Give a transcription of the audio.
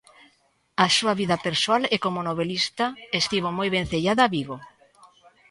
A súa vida persoal e como novelista estivo moi vencellada a Vigo.